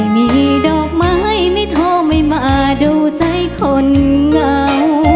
มีดอกไม้ไม่โทรไม่มาดูใจคนเหงา